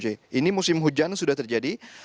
ini musim hujan sudah terjadi